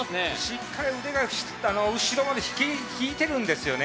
しっかり腕が後ろまで引いてるんですよね